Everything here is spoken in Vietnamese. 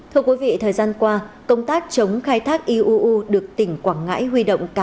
thưa quý vị thời gian qua công tác chống khai thác iuu được tỉnh quảng ngãi huy động